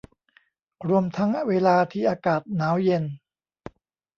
รวมทั้งเวลาที่อากาศหนาวเย็น